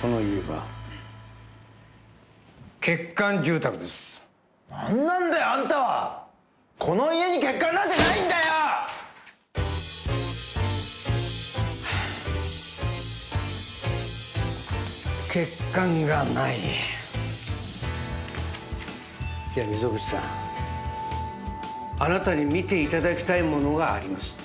この家は欠陥住宅です何なんだよあんたはこの家に欠陥なんてないんだよ！はあ欠陥がないでは溝口さんあなたに見ていただきたいものがあります